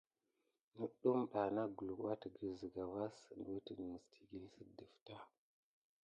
Nudum dana kulu adegue sika va sit wute mis tikile si defeta.